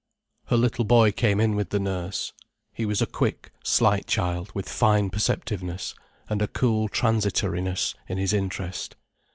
Her little boy came in with the nurse. He was a quick, slight child, with fine perceptiveness, and a cool transitoriness in his interest.